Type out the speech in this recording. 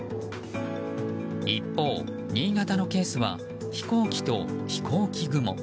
一方、新潟のケースは飛行機と飛行機雲。